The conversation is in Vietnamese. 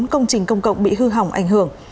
bốn công trình công cộng bị hư hỏng ảnh hưởng